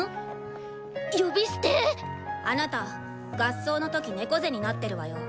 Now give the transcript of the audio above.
呼び捨て⁉あなた合奏の時猫背になってるわよ。